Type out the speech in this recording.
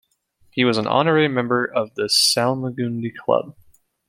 He was an Honorary Member of the Salmagundi Club.